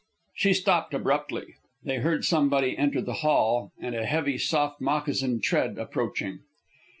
She stopped abruptly. They heard somebody enter the hall, and a heavy, soft moccasined tread approaching.